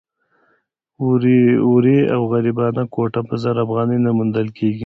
ورې او غریبانه کوټه په زر افغانۍ نه موندل کېده.